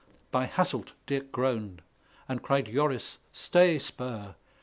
By Hasselt, Dirck groaned; and cried Joris, "Stay spur!